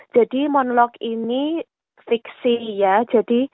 jadi monolog ini fiksi ya